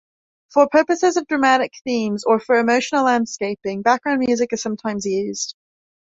For purposes of dramatic themes or for emotional landscaping, background music is sometimes used.